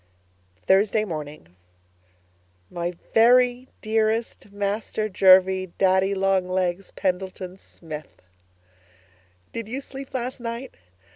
Thursday Morning My Very Dearest Master Jervie Daddy Long Legs Pendleton Smith, Did you sleep last night?